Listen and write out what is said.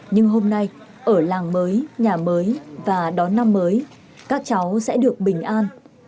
nhưng hôm nay ở làng mới nhà mới và đón năm mới các cháu sẽ được bình an